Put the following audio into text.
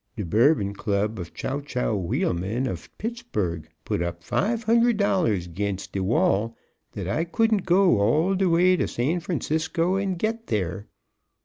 De Bourbon Club of Chowchow Wheelman of Pittsburg put up five hundred dollars 'gainst de wall dat I couldn't go all de way to San Francisco and git dere.